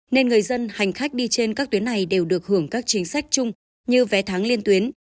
nên người dân hành khách đi trên các tuyến này đều được hưởng các chính sách chung như vé thắng liên tuyến